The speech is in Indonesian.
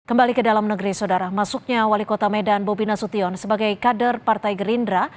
kembali ke dalam negeri saudara masuknya wali kota medan bobi nasution sebagai kader partai gerindra